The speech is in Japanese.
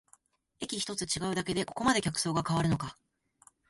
駅ひとつ違うだけでここまで客層が変わるのか